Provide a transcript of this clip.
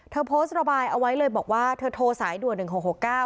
เธอโพสต์ระบายเอาไว้เลยบอกว่าเธอโทรสายด่วนหนึ่งหกหกเก้า